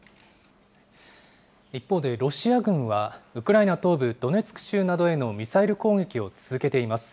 一方でロシア軍は、ウクライナ東部ドネツク州などへのミサイル攻撃を続けています。